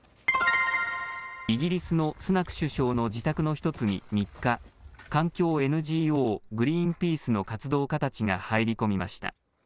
イギリスのスナク首相の自宅の１つに３日、環境ＮＧＯグリーンピースの活動家たちが入り込みました。